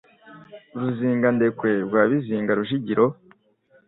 Ruzingandekwe rwa Biziga rujugiro